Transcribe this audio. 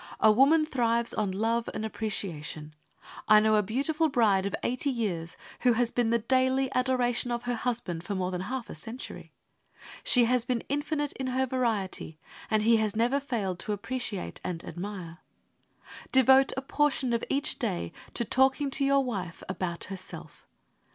A woman thrives on love and appreciation. I know a beautiful bride of eighty years, who has been the daily adoration of her husband for more than half a century. She has been "infinite in her variety," and he has never failed to appreciate and admire. Devote a portion of each day to talking to your wife about herself.